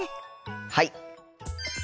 はい！